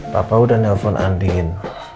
papa udah nelfon andin